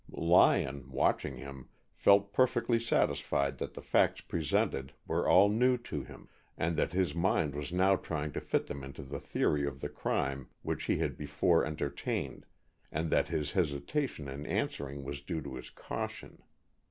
Lyon, watching him, felt perfectly satisfied that the facts presented were all new to him, and that his mind was now trying to fit them into the theory of the crime which he had before entertained, and that his hesitation in answering was due to his caution.